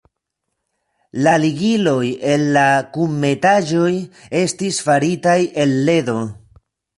La ligiloj en la kunmetaĵoj estis faritaj el ledo.